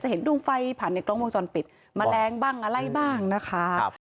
เห็นดวงไฟผ่านในกล้องวงจรปิดแมลงบ้างอะไรบ้างนะคะ